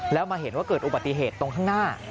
แล้วมาเห็นว่าเกิดอุบัติเหตุตรงข้างหน้า